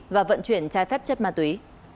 và vận chuyển trái phép chất ma túy